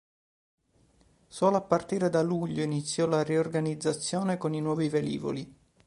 Solo a partire da luglio iniziò la riorganizzazione con i nuovi velivoli.